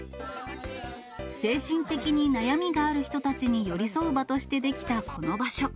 精神的に悩みがある人たちに寄り添う場として出来たこの場所。